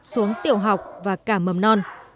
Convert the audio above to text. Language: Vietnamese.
xuống tiểu học và cả mầm non